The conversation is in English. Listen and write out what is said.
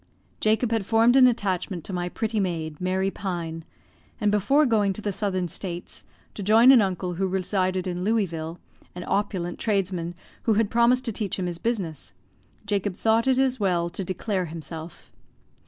Jacob had formed an attachment to my pretty maid, Mary Pine, and before going to the Southern States, to join an uncle who resided in Louisville, an opulent tradesman, who had promised to teach him his business, Jacob thought it as well to declare himself.